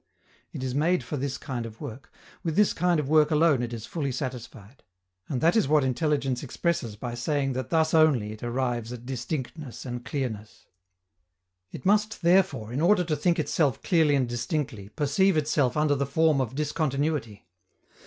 It is made for this kind of work. With this kind of work alone is it fully satisfied. And that is what intelligence expresses by saying that thus only it arrives at distinctness and clearness. It must, therefore, in order to think itself clearly and distinctly, perceive itself under the form of discontinuity.